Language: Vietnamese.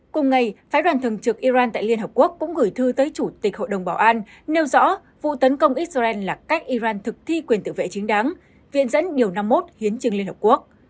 cùng ngày phái đoàn thường trực iran tại liên hợp quốc cũng gửi thư tới chủ tịch hội đồng bảo an nêu rõ vụ tấn công israel là cách iran thực thi quyền tự vệ chính đáng viện dẫn điều năm mươi một hiến trương liên hợp quốc